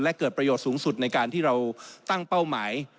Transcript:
และเกิดประโยชน์สูงสุดในการที่เราตั้งเป้าหมาย